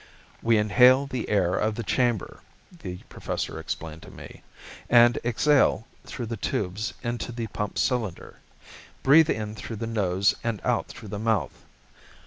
"We inhale the air of the chamber," the Professor explained to me, "and exhale through the tubes into the pump cylinder. Breathe in through the nose and out through the mouth.